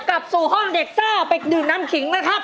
กลับสู่ห้องเด็กซ่าไปดื่มน้ำขิงนะครับ